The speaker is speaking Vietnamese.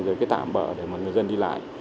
rồi cái tạm bỡ để mà người dân đi lại